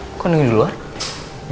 pak kok nunggu dulu ah